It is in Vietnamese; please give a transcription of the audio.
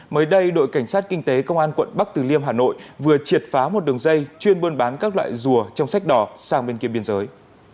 mới đây đội cảnh sát kinh tế công an quận bắc từ liêm hà nội vừa triệt phá một đường dây chuyên buôn bán các loại rùa trong sách đỏ sang bên kia biên giới